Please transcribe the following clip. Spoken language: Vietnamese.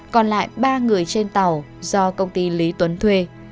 còn lại ba người trên tàu do công ty lý tuấn thuê